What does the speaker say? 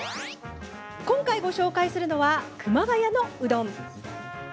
今回ご紹介するのは熊谷のうどん。